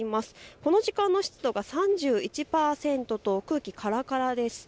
この時間の湿度が３１％と空気からからです。